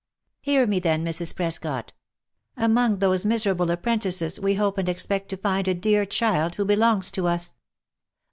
11 Hear me then, Mrs. Prescot — among those miserable apprentices we hope and expect to find a dear child who belongs to us."